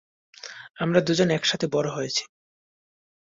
আমরা দুজনে একসাথে বড় হয়েছি।